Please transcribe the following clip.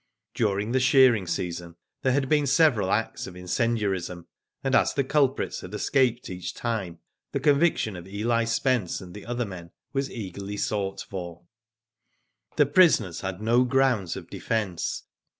During the shearing season there had been several acts of incendiarism, and as the culprits had escaped each time, the conviction of Eli Spence and the other men, was eagerly sought for. The prisoners had no grounds of defence.